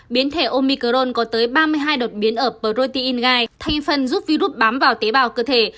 biến thể omicrone có tới ba mươi hai đột biến ở protein gai thành phần giúp virus bám vào tế bào cơ thể